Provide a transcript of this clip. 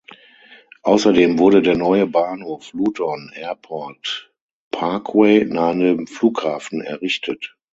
Außerdem wurde der neue Bahnhof Luton Airport Parkway nahe dem Flughafen errichtet.